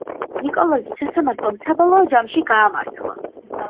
ნიკოლოზი სასამართლომ საბოლოო ჯამში გაამართლა.